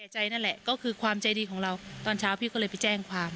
นั่นแหละก็คือความใจดีของเราตอนเช้าพี่ก็เลยไปแจ้งความ